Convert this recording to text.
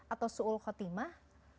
atau suul khotimah